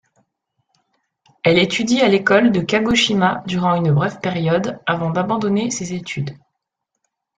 Elle étudie à l'école de Kagoshima durant une brève période avant d'abandonner ses études.